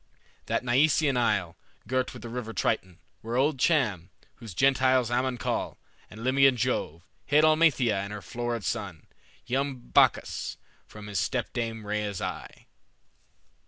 That Nyseian isle, Girt with the river Triton, where old Cham, Whom Gentiles Ammon call, and Libyan Jove, Hid Amalthea and her florid son, Young Bacchus, from his stepdame Rhea's eye."